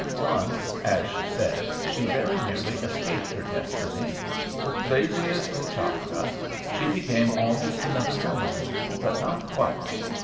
Once, as she said, she very nearly escaped her destiny. With Blasius Bouchalka she became almost another woman, but not quite.